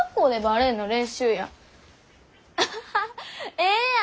ええやん！